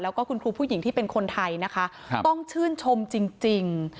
แล้วก็คุณครูผู้หญิงที่เป็นคนไทยนะคะต้องชื่นชมจริง